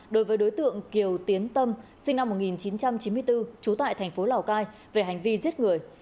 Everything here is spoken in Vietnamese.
đối với đối tượng kiều tiến tâm sinh năm một nghìn chín trăm chín mươi bốn trú tại thành phố lào cai về hành vi giết người